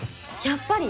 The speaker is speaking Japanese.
やっぱり。